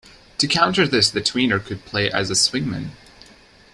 To counter this, this tweener could play as a swingman.